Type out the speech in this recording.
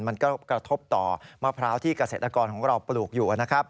มันก็กระทบต่อมะพร้าวที่เกษตรกรของเราปลูกอยู่นะครับ